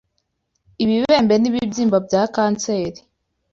ibibembe, n’ibibyimba bya kanseri